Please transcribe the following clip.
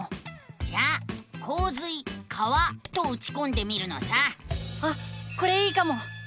じゃあ「こう水川」とうちこんでみるのさ。あっこれいいかも。